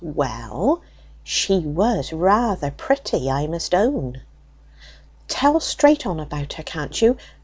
"Well, she was rather pretty, I must own." "Tell straight on about her, can't you!